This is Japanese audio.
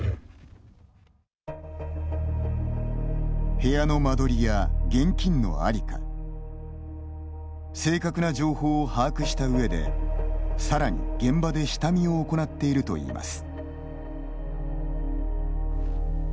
部屋の間取りや現金の在りか正確な情報を把握したうえでさらに現場で下見を行っているといいます。